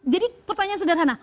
jadi pertanyaan sederhana